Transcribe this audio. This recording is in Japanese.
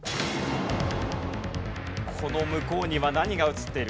この向こうには何が映っているか？